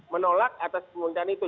menolak atas pemerintahan itu